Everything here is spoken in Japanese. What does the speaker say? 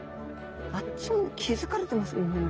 あっちも気付かれてますもんね。